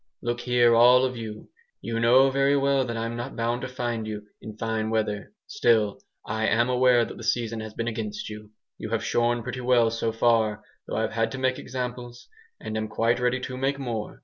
"Look here, all of you! You know very well that I'm not bound to find you in fine weather. Still I am aware that the season has been against you. You have shorn pretty well, so far, though I've had to make examples, and am quite ready to make more.